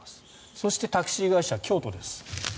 そして、タクシー会社京都です。